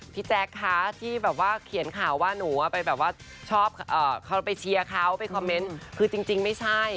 แจ๊คคะที่แบบว่าเขียนข่าวว่าหนูไปแบบว่าชอบเขาไปเชียร์เขาไปคอมเมนต์คือจริงไม่ใช่